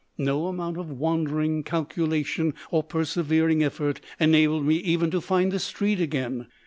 No amount of wandering, calculation, or persevering effort enabled me even to find the street again.